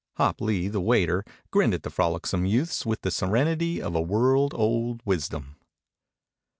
Hop Lee, the waiter, grinned at the frolicsome youths with the serenity of a world old wisdom.